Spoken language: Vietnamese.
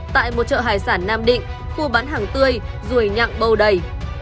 tại một chợ hải sản nam định khu bán hàng tươi ruồi nhặng bầu đầy